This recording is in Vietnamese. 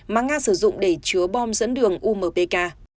mà nga sử dụng để chứa bom dẫn đường umpk